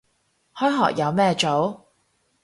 開學有咩做